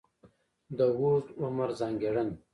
د اوږد عمر ځانګړنه.